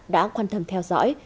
đã quan tâm theo dõi